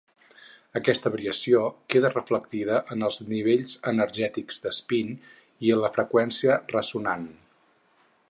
Aquesta variació queda reflectida en els nivells energètics d'espín i a la freqüència ressonant.